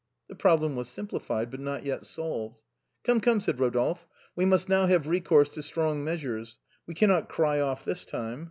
The problem was simplified, but not yet solved. " Come, come," said Rodolphe, " we must now have re course to strong measures, we cannot cry off this time."